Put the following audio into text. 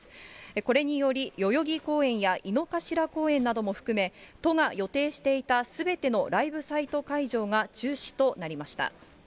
これにより代々木公園や井の頭公園なども含め、都が予定していたすべてのライブサイト会場が中止となりました。